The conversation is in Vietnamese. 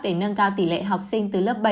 để nâng cao tỷ lệ học sinh từ lớp bảy